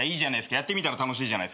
やってみたら楽しいじゃない。